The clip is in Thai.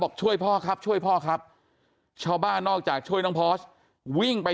ช่วยพ่อครับช่วยพ่อครับชาวบ้านนอกจากช่วยน้องพอสวิ่งไป